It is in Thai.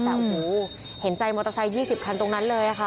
แต่โอ้โหเห็นใจมอเตอร์ไซค์๒๐คันตรงนั้นเลยค่ะ